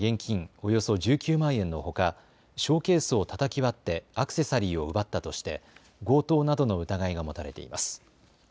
およそ１９万円のほかショーケースをたたき割ってアクセサリーを奪ったとして強盗などの疑いが持たれています。